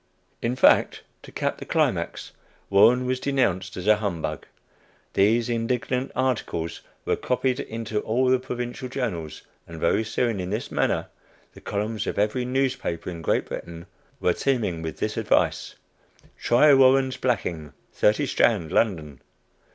In fact, to cap the climax, Warren was denounced as a "humbug." These indignant articles were copied into all the Provincial journals, and very soon, in this manner, the columns of every newspaper in Great Britain were teeming with this advice: "Try Warren's Blacking, 30 Strand, London."